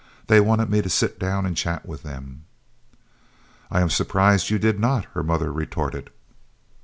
They wanted me to sit down and chat with them." "I am surprised you did not," her mother retorted.